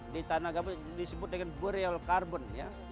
di tanah gambut disebut dengan boreal carbon